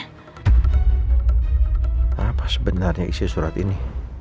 kenapa sebenarnya isi surat ini